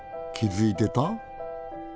気付いてた？